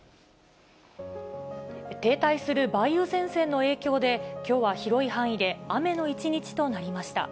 停滞する梅雨前線の影響で、きょうは広い範囲で雨の一日となりました。